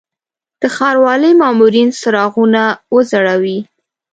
د ښاروالي مامورین څراغونه وځړوي.